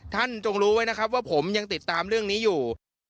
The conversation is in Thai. จงรู้ไว้นะครับว่าผมยังติดตามเรื่องนี้อยู่